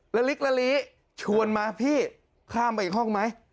ลิกละลีชวนมาพี่ข้ามไปอีกห้องไหม